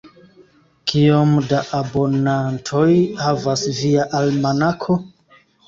Kiom da abonantoj havas via almanako?